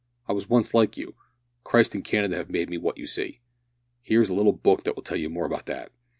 I was once like you. Christ and Canada have made me what you see. Here is a little book that will tell you more about that."